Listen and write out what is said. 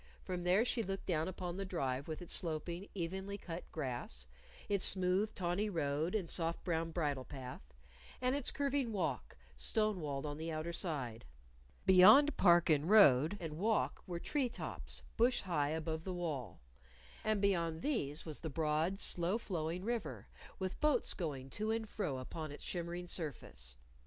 From there she looked down upon the Drive with its sloping, evenly cut grass, its smooth, tawny road and soft brown bridle path, and its curving walk, stone walled on the outer side. Beyond park and road and walk were tree tops, bush high above the wall. And beyond these was the broad, slow flowing river, with boats going to and fro upon its shimmering surface.